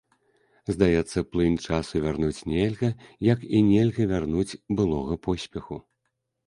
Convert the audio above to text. Здаецца, плынь часу вярнуць нельга, як і нельга вярнуць былога поспеху.